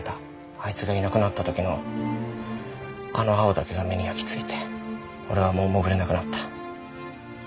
あいつがいなくなった時のあの青だけが目に焼き付いて俺はもう潜れなくなった。